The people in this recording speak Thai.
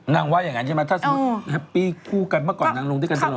ว่าอย่างนั้นใช่ไหมถ้าสมมุติแฮปปี้คู่กันเมื่อก่อนนางลงด้วยกันตลอด